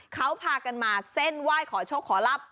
เขาพากันมาเส้นไหว้ขอโชคขอรับ